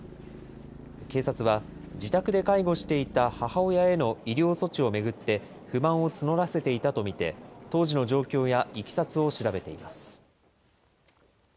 警察は、自宅で介護していた母親への医療措置を巡って、不満を募らせていたと見て、当時の状況やいきさつを調べています。